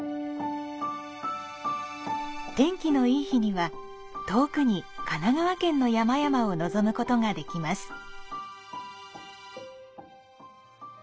天気の良い日には、遠くに神奈川県の山々を望むことができます。